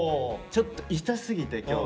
ちょっと痛すぎて今日。